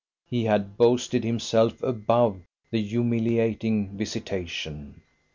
He had boasted himself above the humiliating visitation.